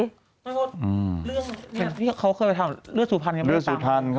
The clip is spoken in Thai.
ท่านครบเรื่องเขาเคยไปถามเลือดสุพรรณยังเป็นตังค์